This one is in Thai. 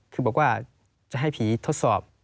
คือบอกว่าจะให้ผีทดสอบ